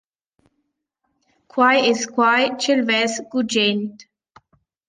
Quai es quai ch’el vess gugent.